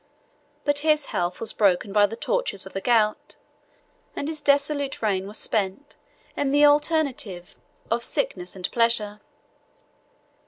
But his health was broken by the tortures of the gout, and his dissolute reign was spent in the alternative of sickness and pleasure.